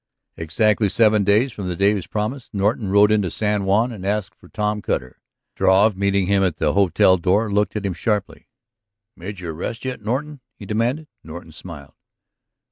Exactly seven days from the day of his promise Norton rode into San Juan and asked for Tom Cutter. Struve, meeting him at the hotel door, looked at him sharply. "Made that arrest yet, Norton?" he demanded. Norton smiled.